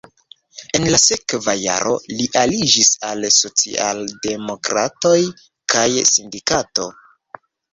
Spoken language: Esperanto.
En la sekva jaro li aliĝis al socialdemokratoj kaj sindikato.